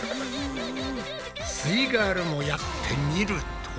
すイガールもやってみると。